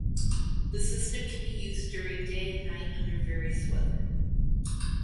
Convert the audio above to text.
The system can be used during day and night under various weather.